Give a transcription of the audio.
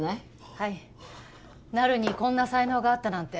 はいなるにこんな才能があったなんて